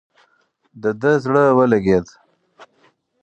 د ده زړه ولګېد.